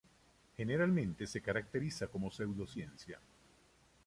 Generalmente se caracteriza como pseudociencia.